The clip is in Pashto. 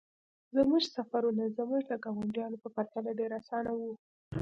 زموږ سفرونه زموږ د ګاونډیانو په پرتله ډیر اسانه وو